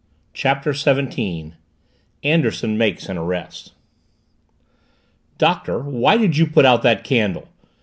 CHAPTER SEVENTEEN ANDERSON MAKES AN ARREST "Doctor, why did you put out that candle?"